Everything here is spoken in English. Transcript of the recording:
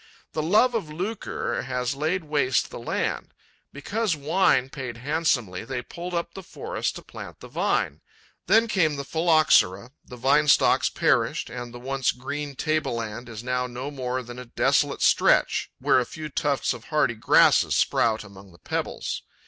The love of lucre has laid waste the land. Because wine paid handsomely, they pulled up the forest to plant the vine. Then came the Phylloxera, the vine stocks perished and the once green table land is now no more than a desolate stretch where a few tufts of hardy grasses sprout among the pebbles.